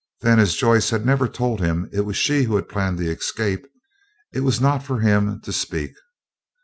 Then, as Joyce had never told him it was she who had planned the escape, it was not for him to speak.